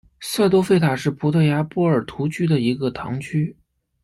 塞多费塔是葡萄牙波尔图区的一个堂区。